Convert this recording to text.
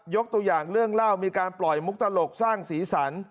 ตัวอย่างเรื่องเล่ามีการปล่อยมุกตลกสร้างสีสัน